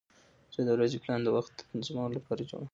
زه د ورځې پلان د وخت د تنظیم لپاره جوړوم.